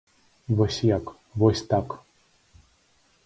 Вось як, вось так!